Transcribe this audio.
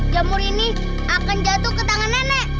jamur ini akan jatuh ke tangan nenek